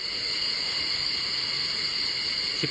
๑๐คนได้ครับ